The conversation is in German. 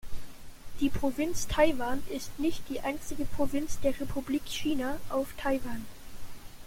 Die Provinz Taiwan ist nicht die einzige Provinz der Republik China auf Taiwan.